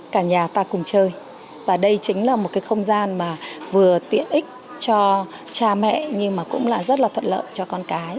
cả nhà ta cùng chơi và đây chính là một cái không gian mà vừa tiện ích cho cha mẹ nhưng mà cũng là rất là thuận lợi cho con cái